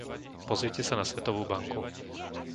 Pozrite sa na Svetovú banku.